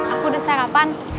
aku udah sarapan